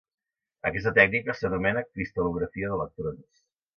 Aquesta tècnica s'anomena cristal·lografia d'electrons.